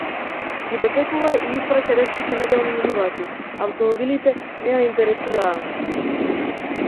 Ги дочекува и испраќа ретките неделни минувачи, автомобилите не ја интересираат.